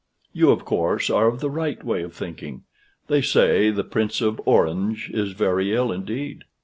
You, of course, are of the right way of thinking. They say the Prince of Orange is very ill indeed."